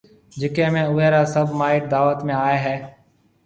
جڪيَ ۾ اوئيَ را سڀ مائيٽ دعوت ۾ آئيَ ھيََََ